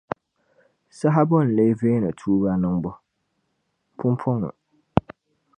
Saha bo n-lee veeni tuuba niŋbu? Pumpɔŋɔ.